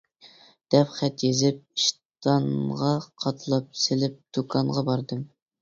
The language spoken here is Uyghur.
دەپ خەت يېزىپ ئىشتانغا قاتلاپ سېلىپ دۇكانغا باردىم.